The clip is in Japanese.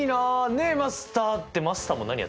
ねえマスターってマスターも何やってんですか？